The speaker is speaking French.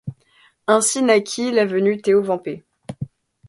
Ainsi naquit l'avenue Théo Vanpé.